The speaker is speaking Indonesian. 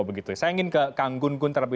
saya ingin ke kang gunggun